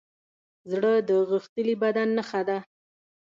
زړه د غښتلي بدن نښه ده.